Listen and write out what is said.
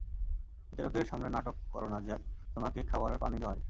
বিচারকের সামনে নাটক করো না যে তোমাকে খাবার আর পানি দেওয়া হয়নি।